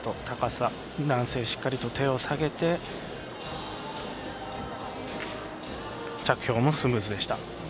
高さ、男性しっかりと手を下げて着氷もスムーズでした。